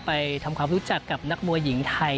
ไปทำความรู้จักกับนักมวยหญิงไทย